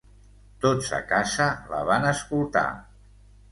Tots a casa la van escoltar.